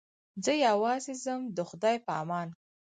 زه یوازې ځم د خدای په امان.